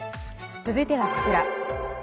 続いてはこちら。